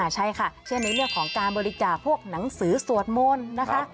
ใช่ค่ะเช่นในเรื่องของการบริจาคพวกหนังสือสวดมนต์นะคะ